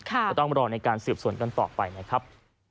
ก็ต้องรอในการสืบสวนกันต่อไปนะครับ